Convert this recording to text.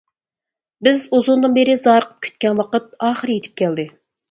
بىز ئۇزۇندىن بېرى زارىقىپ كۈتكەن ۋاقىت ئاخىر يېتىپ كەلدى.